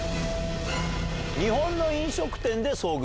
日本の飲食店で遭遇。